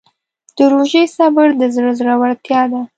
د روژې صبر د زړه زړورتیا ده.